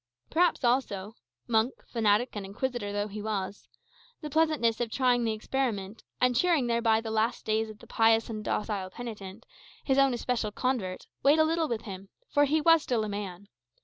Perhaps also monk, fanatic, and inquisitor though he was the pleasantness of trying the experiment, and cheering thereby the last days of the pious and docile penitent, his own especial convert, weighed a little with him; for he was still a man.